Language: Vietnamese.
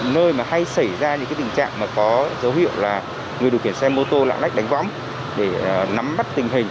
nơi mà hay xảy ra những tình trạng mà có dấu hiệu là người điều khiển xe mô tô lạng lách đánh võng để nắm bắt tình hình